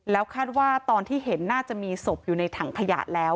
แล้วคาดว่าตอนที่เห็นน่าจะมีศพอยู่ในถังขยะแล้ว